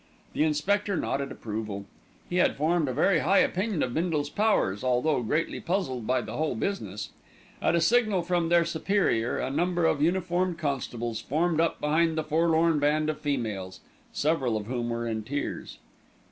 The inspector nodded approval. He had formed a very high opinion of Bindle's powers, although greatly puzzled by the whole business. At a signal from their superior, a number of uniformed constables formed up behind the forlorn band of females, several of whom were in tears.